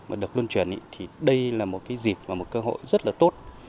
mà được luân chuyển thì đây là một cái dịp và một cơ hội rất là tốt